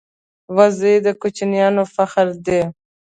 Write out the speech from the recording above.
وزې د کوچیانو فخر دی